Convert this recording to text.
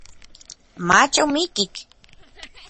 mach omikik.